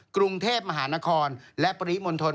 กรุงเทพมหานครและปริมณฑล